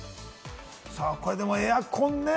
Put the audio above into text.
これ、でもエアコンね。